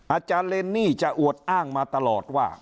อาจารย์เรนนี่จะอวดอ้างมาตลอดว่า